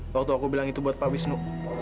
waktu aku bilang itu buat pak wisnu